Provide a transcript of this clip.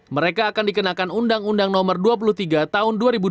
mereka akan dikenakan undang undang no dua puluh tiga tahun dua ribu dua